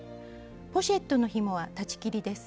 ポシェットのひもは裁ち切りです。